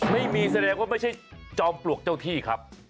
ไม่มีแสดงว่าไม่ใช่จอมปลวกเจ้าที่ครับ